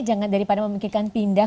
jangan daripada memikirkan pindah